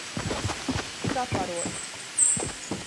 Škaparuot.